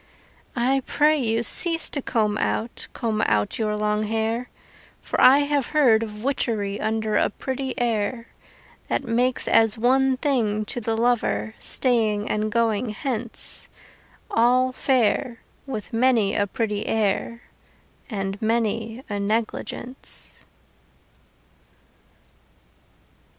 I pray you, cease to comb out, Comb out your long hair, For I have heard of witchery Under a pretty air, That makes as one thing to the lover Staying and going hence, All fair, with many a pretty air And many a negligence.